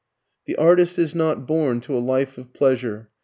] The artist is not born to a life of pleasure.